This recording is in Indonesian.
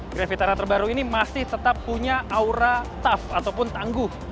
gravitara terbaru ini masih tetap punya aura tough ataupun tangguh